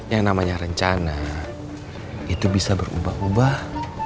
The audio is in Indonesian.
yang namanya rencana itu bisa berubah ubah